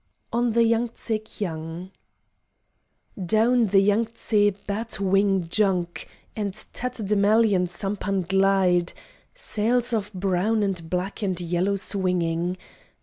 ON THE YANG TSE KIANG Down the Yang tse bat wing junk And tatterdemalion sampan glide, Sails of brown and black and yellow swinging.